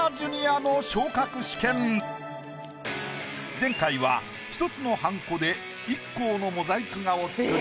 前回は１つのはんこでＩＫＫＯのモザイク画を作り